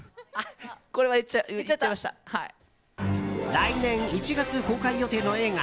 来年１月公開予定の映画